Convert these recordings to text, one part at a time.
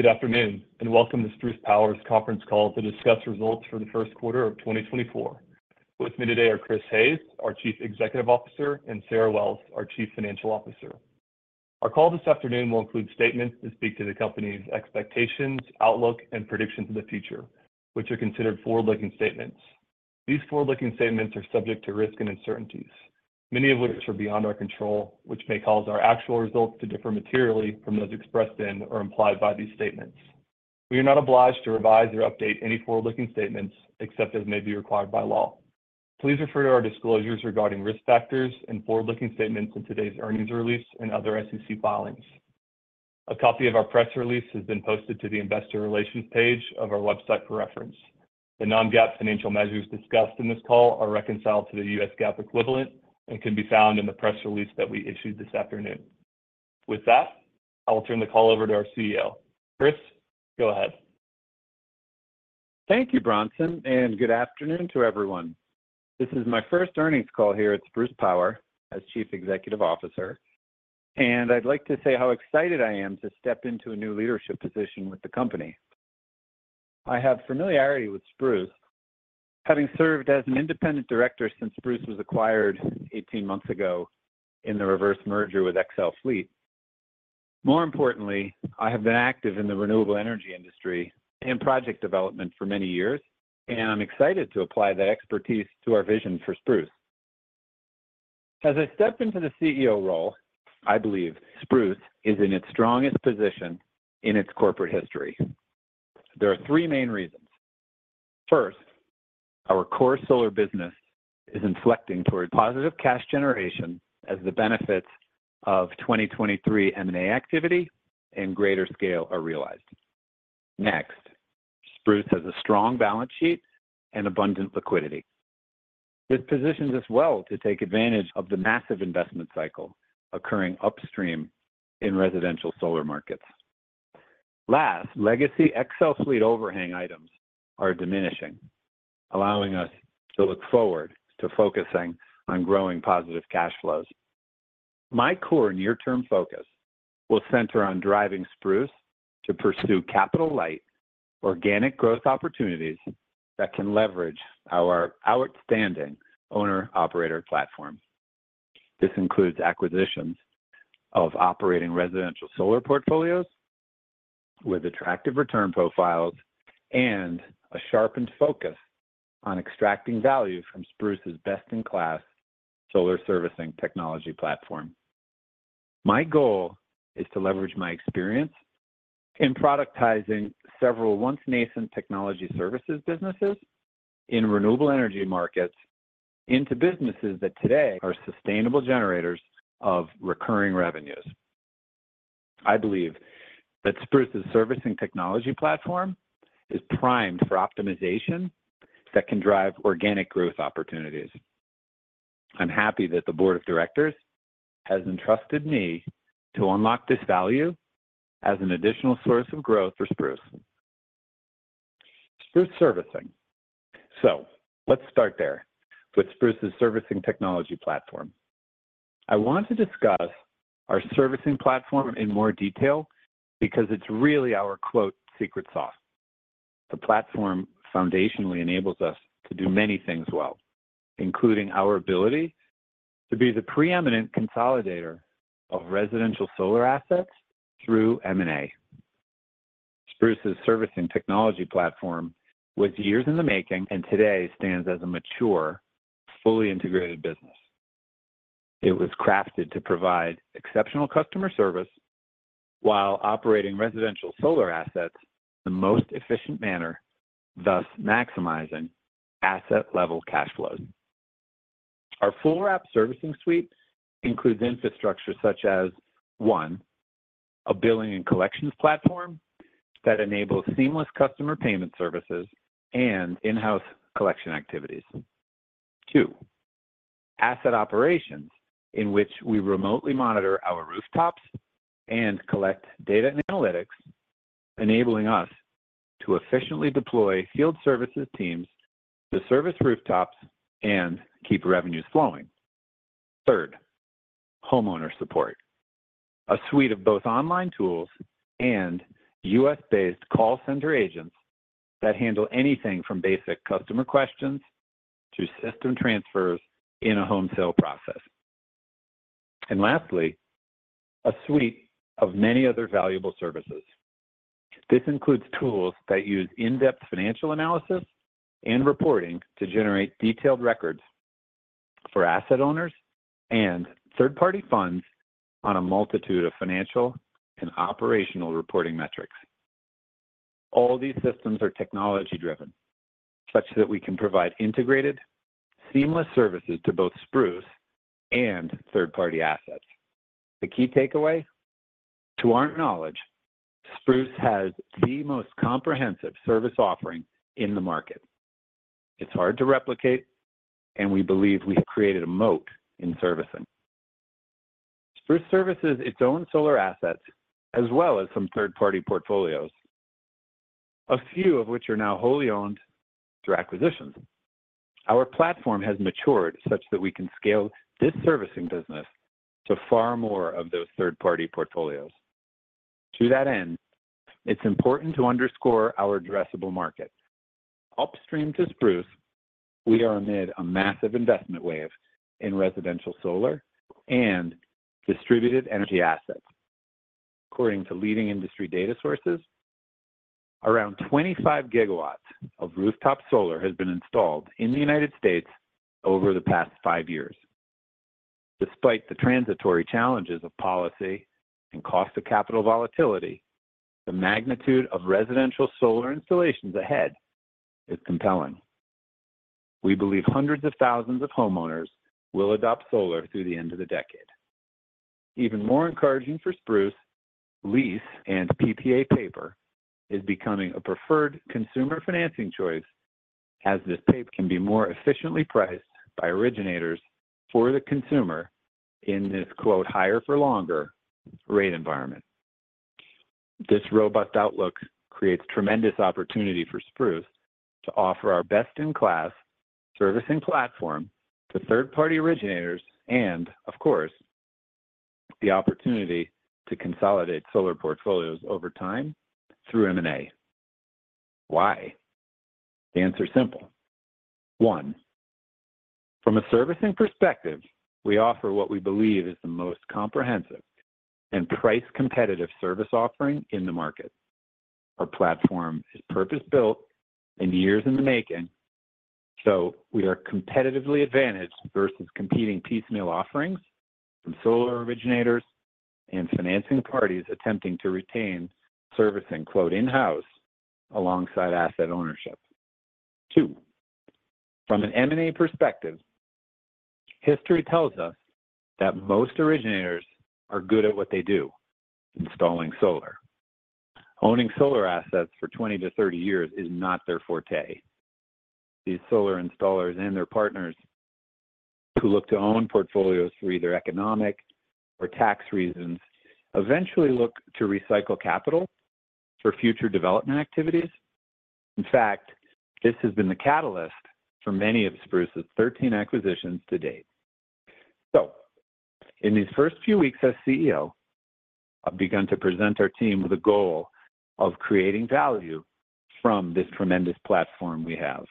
Good afternoon and welcome to Spruce Power's conference call to discuss results for the first quarter of 2024. With me today are Chris Hayes, our Chief Executive Officer, and Sarah Wells, our Chief Financial Officer. Our call this afternoon will include statements that speak to the company's expectations, outlook, and predictions of the future, which are considered forward-looking statements. These forward-looking statements are subject to risk and uncertainties, many of which are beyond our control, which may cause our actual results to differ materially from those expressed in or implied by these statements. We are not obliged to revise or update any forward-looking statements except as may be required by law. Please refer to our disclosures regarding risk factors and forward-looking statements in today's earnings release and other SEC filings. A copy of our press release has been posted to the Investor Relations page of our website for reference. The non-GAAP financial measures discussed in this call are reconciled to the U.S. GAAP equivalent and can be found in the press release that we issued this afternoon. With that, I will turn the call over to our CEO. Chris, go ahead. Thank you, Bronson Fleig, and good afternoon to everyone. This is my first earnings call here at Spruce Power as Chief Executive Officer, and I'd like to say how excited I am to step into a new leadership position with the company. I have familiarity with Spruce, having served as an independent director since Spruce was acquired 18 months ago in the reverse merger with XL Fleet. More importantly, I have been active in the renewable energy industry and project development for many years, and I'm excited to apply that expertise to our vision for Spruce. As I step into the CEO role, I believe Spruce is in its strongest position in its corporate history. There are three main reasons. First, our core solar business is inflecting toward positive cash generation as the benefits of 2023 M&A activity in greater scale are realized. Next, Spruce has a strong balance sheet and abundant liquidity. This positions us well to take advantage of the massive investment cycle occurring upstream in residential solar markets. Last, legacy XL Fleet overhang items are diminishing, allowing us to look forward to focusing on growing positive cash flows. My core near-term focus will center on driving Spruce to pursue capital-light, organic growth opportunities that can leverage our outstanding owner-operator platform. This includes acquisitions of operating residential solar portfolios with attractive return profiles and a sharpened focus on extracting value from Spruce's best-in-class solar servicing technology platform. My goal is to leverage my experience in productizing several once-nascent technology services businesses in renewable energy markets into businesses that today are sustainable generators of recurring revenues. I believe that Spruce's servicing technology platform is primed for optimization that can drive organic growth opportunities. I'm happy that the board of directors has entrusted me to unlock this value as an additional source of growth for Spruce. Spruce servicing. So let's start there with Spruce's servicing technology platform. I want to discuss our servicing platform in more detail because it's really our "secret sauce." The platform foundationally enables us to do many things well, including our ability to be the preeminent consolidator of residential solar assets through M&A. Spruce's servicing technology platform was years in the making and today stands as a mature, fully integrated business. It was crafted to provide exceptional customer service while operating residential solar assets in the most efficient manner, thus maximizing asset-level cash flows. Our full-wrap servicing suite includes infrastructure such as, one, a billing and collections platform that enables seamless customer payment services and in-house collection activities. Two, asset operations in which we remotely monitor our rooftops and collect data and analytics, enabling us to efficiently deploy field services teams to service rooftops and keep revenues flowing. Third, homeowner support, a suite of both online tools and U.S.-based call center agents that handle anything from basic customer questions to system transfers in a home sale process. Lastly, a suite of many other valuable services. This includes tools that use in-depth financial analysis and reporting to generate detailed records for asset owners and third-party funds on a multitude of financial and operational reporting metrics. All these systems are technology-driven such that we can provide integrated, seamless services to both Spruce and third-party assets. The key takeaway? To our knowledge, Spruce has the most comprehensive service offering in the market. It's hard to replicate, and we believe we have created a moat in servicing. Spruce services its own solar assets as well as some third-party portfolios, a few of which are now wholly owned through acquisitions. Our platform has matured such that we can scale this servicing business to far more of those third-party portfolios. To that end, it's important to underscore our addressable market. Upstream to Spruce, we are amid a massive investment wave in residential solar and distributed energy assets. According to leading industry data sources, around 25 gigawatts of rooftop solar has been installed in the United States over the past five years. Despite the transitory challenges of policy and cost of capital volatility, the magnitude of residential solar installations ahead is compelling. We believe hundreds of thousands of homeowners will adopt solar through the end of the decade. Even more encouraging for Spruce, lease and PPA paper is becoming a preferred consumer financing choice as this paper can be more efficiently priced by originators for the consumer in this "higher for longer" rate environment. This robust outlook creates tremendous opportunity for Spruce to offer our best-in-class servicing platform to third-party originators and, of course, the opportunity to consolidate solar portfolios over time through M&A. Why? The answer is simple. One, from a servicing perspective, we offer what we believe is the most comprehensive and price-competitive service offering in the market. Our platform is purpose-built and years in the making, so we are competitively advantaged versus competing piecemeal offerings from solar originators and financing parties attempting to retain servicing "in-house" alongside asset ownership. Two, from an M&A perspective, history tells us that most originators are good at what they do: installing solar. Owning solar assets for 20-30 years is not their forte. These solar installers and their partners who look to own portfolios for either economic or tax reasons eventually look to recycle capital for future development activities. In fact, this has been the catalyst for many of Spruce's 13 acquisitions to date. So in these first few weeks as CEO, I've begun to present our team with a goal of creating value from this tremendous platform we have.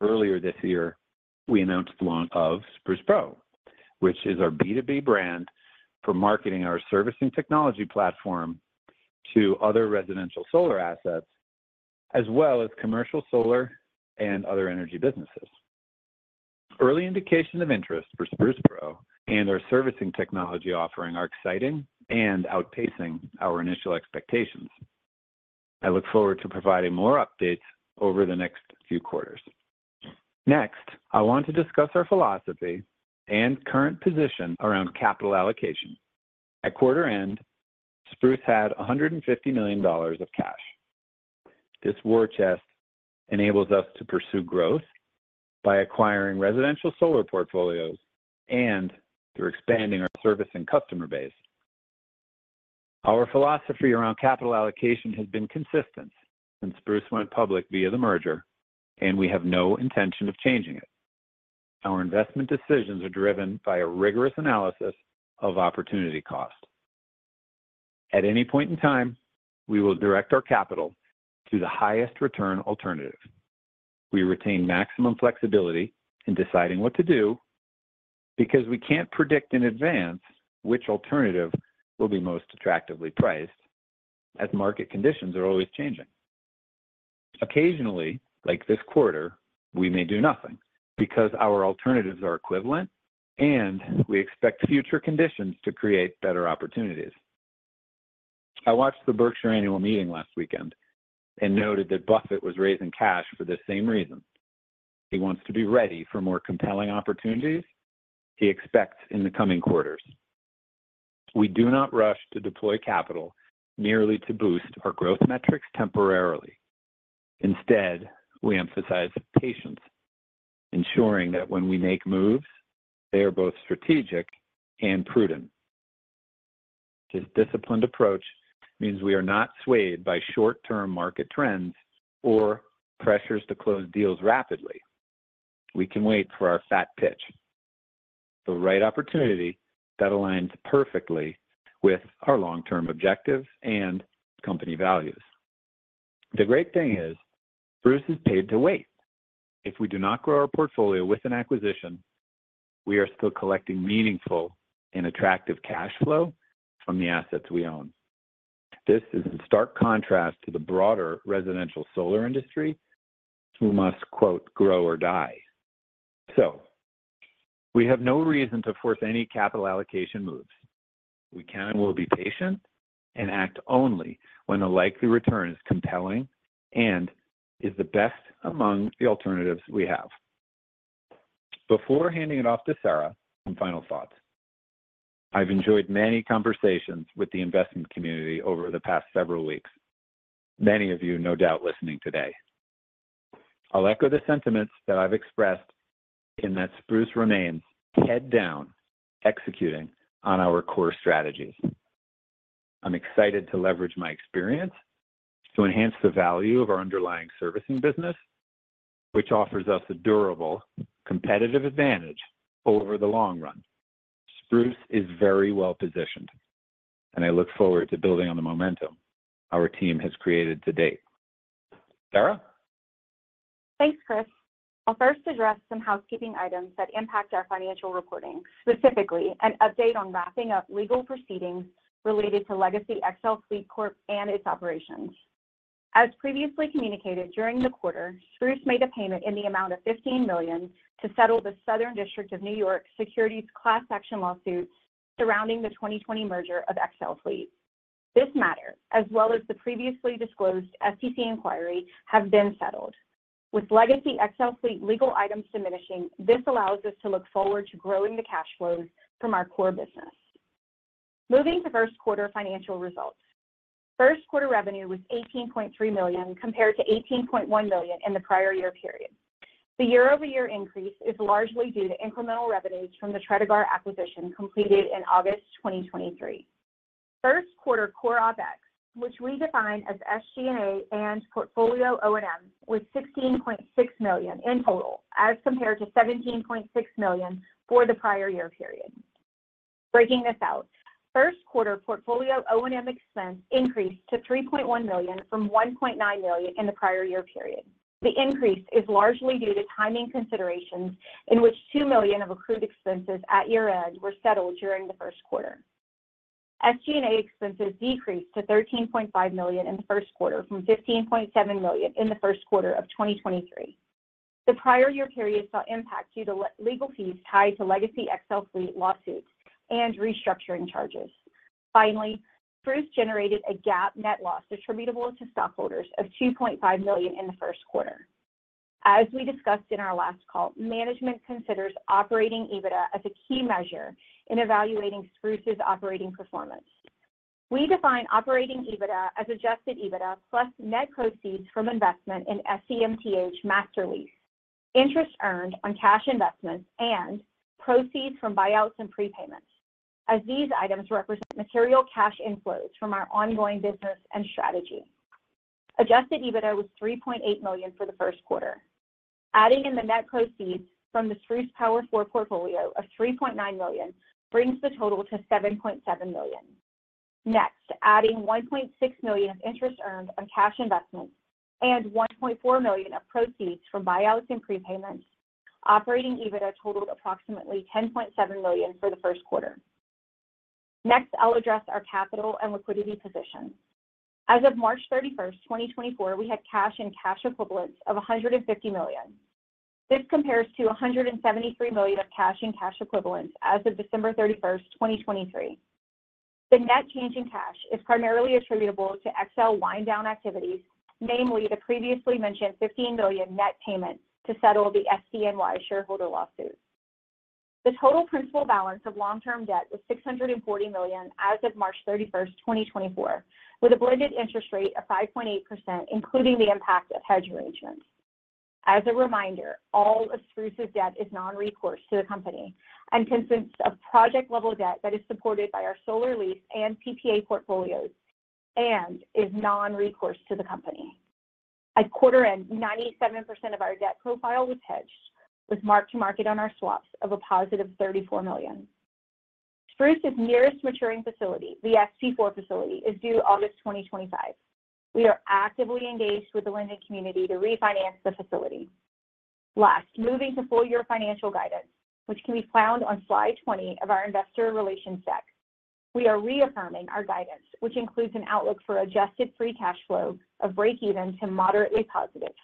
Earlier this year, we announced the launch of Spruce Pro, which is our B2B brand for marketing our servicing technology platform to other residential solar assets as well as commercial solar and other energy businesses. Early indication of interest for Spruce Pro and our servicing technology offering are exciting and outpacing our initial expectations. I look forward to providing more updates over the next few quarters. Next, I want to discuss our philosophy and current position around capital allocation. At quarter end, Spruce had $150 million of cash. This war chest enables us to pursue growth by acquiring residential solar portfolios and through expanding our servicing customer base. Our philosophy around capital allocation has been consistent since Spruce went public via the merger, and we have no intention of changing it. Our investment decisions are driven by a rigorous analysis of opportunity cost. At any point in time, we will direct our capital to the highest return alternative. We retain maximum flexibility in deciding what to do because we can't predict in advance which alternative will be most attractively priced as market conditions are always changing. Occasionally, like this quarter, we may do nothing because our alternatives are equivalent and we expect future conditions to create better opportunities. I watched the Berkshire annual meeting last weekend and noted that Buffett was raising cash for the same reason. He wants to be ready for more compelling opportunities he expects in the coming quarters. We do not rush to deploy capital merely to boost our growth metrics temporarily. Instead, we emphasize patience, ensuring that when we make moves, they are both strategic and prudent. This disciplined approach means we are not swayed by short-term market trends or pressures to close deals rapidly. We can wait for our fat pitch, the right opportunity that aligns perfectly with our long-term objectives and company values. The great thing is Spruce is paid to wait. If we do not grow our portfolio with an acquisition, we are still collecting meaningful and attractive cash flow from the assets we own. This is in stark contrast to the broader residential solar industry who must "grow or die." So we have no reason to force any capital allocation moves. We can and will be patient and act only when the likely return is compelling and is the best among the alternatives we have. Before handing it off to Sarah for final thoughts, I've enjoyed many conversations with the investment community over the past several weeks. Many of you, no doubt, listening today. I'll echo the sentiments that I've expressed in that Spruce remains head down executing on our core strategies. I'm excited to leverage my experience to enhance the value of our underlying servicing business, which offers us a durable competitive advantage over the long run. Spruce is very well positioned, and I look forward to building on the momentum our team has created to date. Sarah? Thanks, Chris. I'll first address some housekeeping items that impact our financial reporting. Specifically, an update on wrapping up legal proceedings related to legacy XL Fleet Corp. and its operations. As previously communicated during the quarter, Spruce made a payment in the amount of $15 million to settle the Southern District of New York securities class action lawsuit surrounding the 2020 merger of XL Fleet. This matter, as well as the previously disclosed SEC inquiry, have been settled. With legacy XL Fleet legal items diminishing, this allows us to look forward to growing the cash flows from our core business. Moving to first quarter financial results. First quarter revenue was $18.3 million compared to $18.1 million in the prior year period. The year-over-year increase is largely due to incremental revenues from the Tredegar acquisition completed in August 2023. First quarter core OpEx, which we define as SG&A and portfolio O&M, was $16.6 million in total as compared to $17.6 million for the prior year period. Breaking this out, first quarter portfolio O&M expense increased to $3.1 million from $1.9 million in the prior year period. The increase is largely due to timing considerations in which $2 million of accrued expenses at year end were settled during the first quarter. SG&A expenses decreased to $13.5 million in the first quarter from $15.7 million in the first quarter of 2023. The prior year period saw impact due to legal fees tied to legacy XL Fleet lawsuits and restructuring charges. Finally, Spruce generated a GAAP net loss attributable to stockholders of $2.5 million in the first quarter. As we discussed in our last call, management considers operating EBITDA as a key measure in evaluating Spruce's operating performance. We define Operating EBITDA as Adjusted EBITDA plus net proceeds from investment in SEMTH master lease, interest earned on cash investments, and proceeds from buyouts and prepayments as these items represent material cash inflows from our ongoing business and strategy. Adjusted EBITDA was $3.8 million for the first quarter. Adding in the net proceeds from the Spruce Power 4 Portfolio of $3.9 million brings the total to $7.7 million. Next, adding $1.6 million of interest earned on cash investments and $1.4 million of proceeds from buyouts and prepayments, Operating EBITDA totaled approximately $10.7 million for the first quarter. Next, I'll address our capital and liquidity position. As of March 31st, 2024, we had cash and cash equivalents of $150 million. This compares to $173 million of cash and cash equivalents as of December 31st, 2023. The net change in cash is primarily attributable to XL wind-down activities, namely the previously mentioned $15 million net payment to settle the SDNY shareholder lawsuit. The total principal balance of long-term debt was $640 million as of March 31st, 2024, with a blended interest rate of 5.8% including the impact of hedge arrangements. As a reminder, all of Spruce's debt is non-recourse to the company and consists of project-level debt that is supported by our solar lease and PPA portfolios and is non-recourse to the company. At quarter end, 97% of our debt profile was hedged, with mark-to-market on our swaps of a positive $34 million. Spruce's nearest maturing facility, the SP4 facility, is due August 2025. We are actively engaged with the lending community to refinance the facility. Last, moving to full-year financial guidance, which can be found on slide 20 of our investor relations deck. We are reaffirming our guidance, which includes an outlook for Adjusted Free Cash Flow of break-even to moderately positive.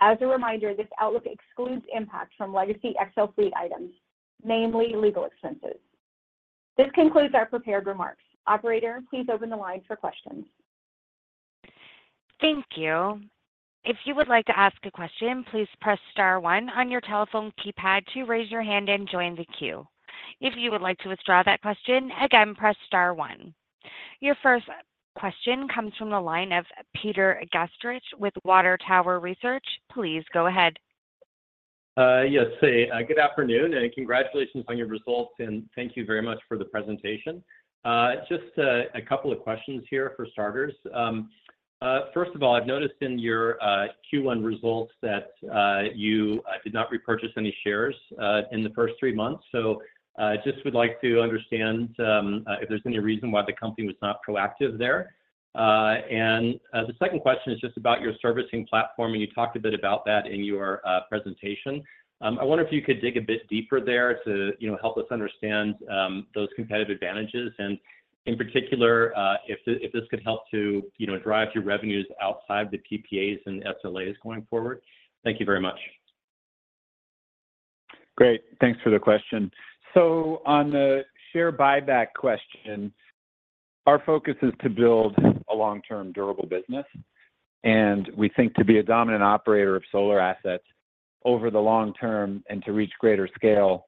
As a reminder, this outlook excludes impact from legacy XL Fleet items, namely legal expenses. This concludes our prepared remarks. Operator, please open the line for questions. Thank you. If you would like to ask a question, please press star one on your telephone keypad to raise your hand and join the queue. If you would like to withdraw that question, again, press star one. Your first question comes from the line of Peter Gastreich with Water Tower Research. Please go ahead. Yes, hey. Good afternoon and congratulations on your results, and thank you very much for the presentation. Just a couple of questions here for starters. First of all, I've noticed in your Q1 results that you did not repurchase any shares in the first three months, so just would like to understand if there's any reason why the company was not proactive there. And the second question is just about your servicing platform, and you talked a bit about that in your presentation. I wonder if you could dig a bit deeper there to help us understand those competitive advantages and, in particular, if this could help to drive your revenues outside the PPAs and SLAs going forward. Thank you very much. Great. Thanks for the question. So on the share buyback question, our focus is to build a long-term durable business, and we think to be a dominant operator of solar assets over the long term and to reach greater scale,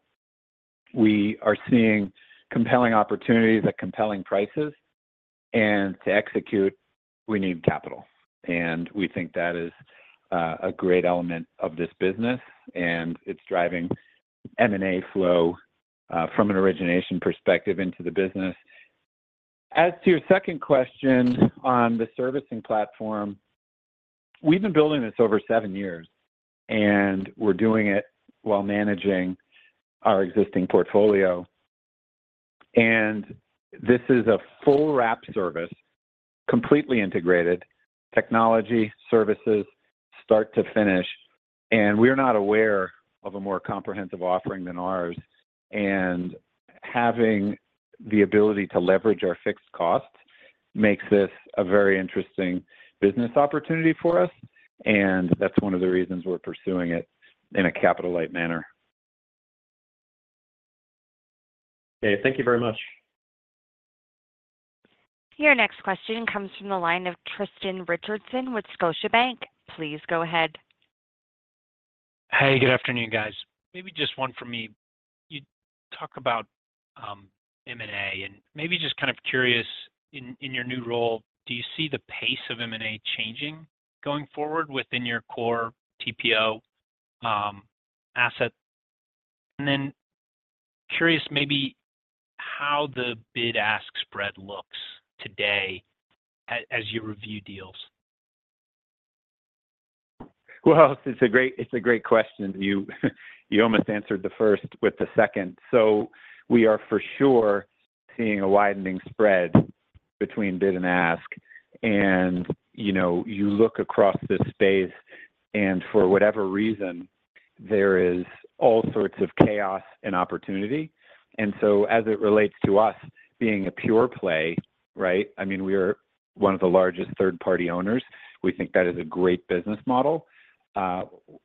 we are seeing compelling opportunities at compelling prices. And to execute, we need capital, and we think that is a great element of this business, and it's driving M&A flow from an origination perspective into the business. As to your second question on the servicing platform, we've been building this over seven years, and we're doing it while managing our existing portfolio. And this is a full wrap service, completely integrated, technology, services, start to finish, and we're not aware of a more comprehensive offering than ours. Having the ability to leverage our fixed costs makes this a very interesting business opportunity for us, and that's one of the reasons we're pursuing it in a capital-light manner. Okay. Thank you very much. Your next question comes from the line of Tristan Richardson with Scotiabank. Please go ahead. Hey, good afternoon, guys. Maybe just one from me. You talk about M&A, and maybe just kind of curious, in your new role, do you see the pace of M&A changing going forward within your core TPO asset? And then curious maybe how the bid-ask spread looks today as you review deals? Well, it's a great question. You almost answered the first with the second. So we are for sure seeing a widening spread between bid and ask. And you look across this space, and for whatever reason, there is all sorts of chaos and opportunity. And so as it relates to us being a pure play, right, I mean, we are one of the largest third-party owners. We think that is a great business model.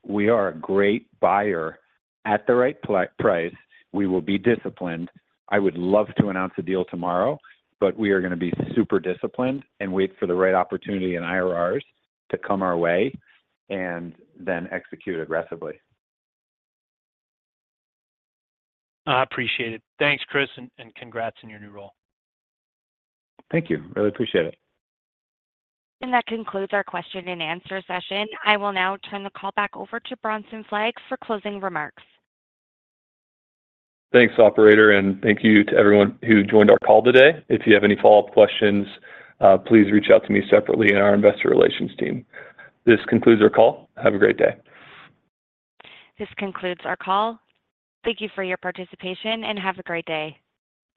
We are a great buyer at the right price. We will be disciplined. I would love to announce a deal tomorrow, but we are going to be super disciplined and wait for the right opportunity in IRRs to come our way and then execute aggressively. I appreciate it. Thanks, Chris, and congrats in your new role. Thank you. Really appreciate it. That concludes our question and answer session. I will now turn the call back over to Bronson Fleig for closing remarks. Thanks, operator, and thank you to everyone who joined our call today. If you have any follow-up questions, please reach out to me separately and our investor relations team. This concludes our call. Have a great day. This concludes our call. Thank you for your participation and have a great day.